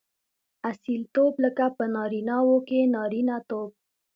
اصیلتوب؛ لکه په نارينه وو کښي نارينه توب.